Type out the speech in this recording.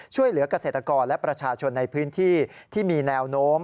ช่วยเหลือกเกษตรกรและประชาชนในพื้นที่ที่มีแนวโน้ม